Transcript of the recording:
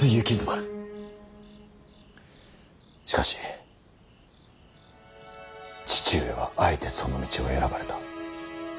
しかし父上はあえてその道を選ばれた。